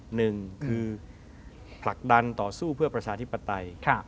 หนึ่งคือผลักดันต่อสู้เพื่อประชาธิปไตย